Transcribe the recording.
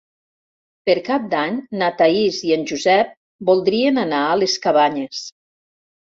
Per Cap d'Any na Thaís i en Josep voldrien anar a les Cabanyes.